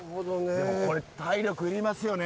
でもこれ体力いりますよね。